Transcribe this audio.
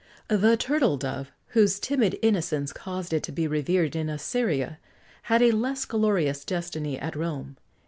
The Turtle Dove,[XX 92] whose timid innocence caused it to be revered in Assyria,[XX 93] had a less glorious destiny at Rome.